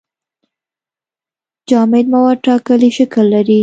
جامد مواد ټاکلی شکل لري.